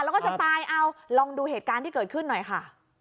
แล้วก็จะตายเอาลองดูเหตุการณ์ที่เกิดขึ้นหน่อยค่ะ